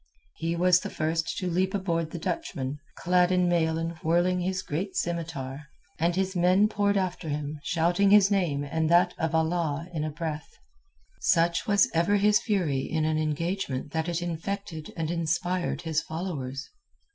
He was the first to leap aboard the Dutchman, clad in mail and whirling his great scimitar, and his men poured after him shouting his name and that of Allah in a breath. Such was ever his fury in an engagement that it infected and inspired his followers.